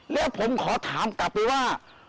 แล้วผมขอถามกลับไปว่า